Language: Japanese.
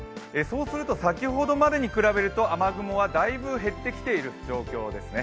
先ほどまでに比べると雨雲はだいぶ減ってきている状況です。